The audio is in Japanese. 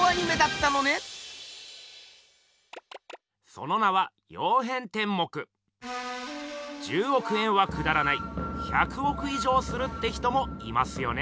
その名は１０億円はくだらない１００億以上するって人もいますよね。